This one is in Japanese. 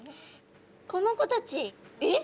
この子たちえっ？